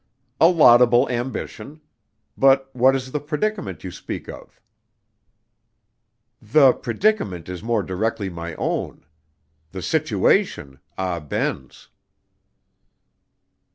"A laudable ambition. But what is the predicament you speak of?" "The predicament is more directly my own; the situation, Ah Ben's."